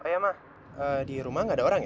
oh iya ma di rumah gak ada orang ya